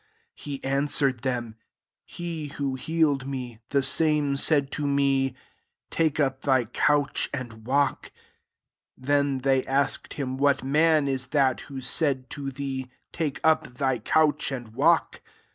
11 He answered them, " He who healed me, the same said to me, 'Take up thy couch, and walk.' '' 12 [Then] they asked him, " What man is that who judd to thee, < Take up thy couchr'€knd walk